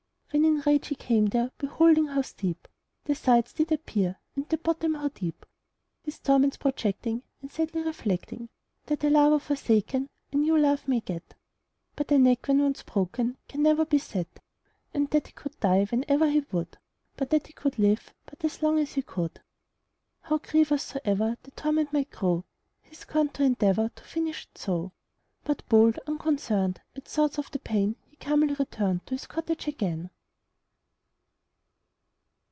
When in rage he came there, Beholding how steep The sides did appear, And the bottom how deep, His torments projecting And sadly reflecting, That a lover forsaken A new love may get; But a neck, when once broken, Can never be set: And that he could die Whenever he would; But that he could live But as long as he could: How grievous soever The torment might grow, He scorn'd to endeavour To finish it so. But bold, unconcern'd At thoughts of the pain, He calmly return'd To his cottage again.